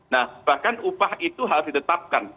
nah bahkan upah itu harus ditetapkan